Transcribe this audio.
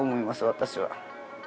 私は。